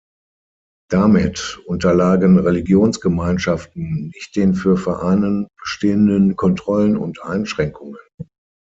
Damit unterlagen Religionsgemeinschaften nicht den für Vereinen bestehenden Kontrollen und Einschränkungen.